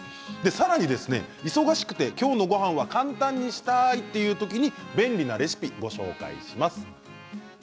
さらに忙しくて今日のごはん簡単にしたいっていう時に便利なレシピご紹介します。